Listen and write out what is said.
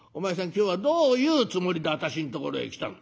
今日はどういうつもりで私んところへ来たの？」。